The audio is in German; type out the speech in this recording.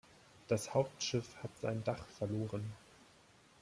Das Hauptschiff hat sein Dach verloren.